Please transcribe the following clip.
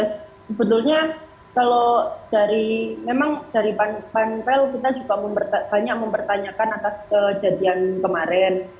sebetulnya kalau dari memang dari panpel kita juga banyak mempertanyakan atas kejadian kemarin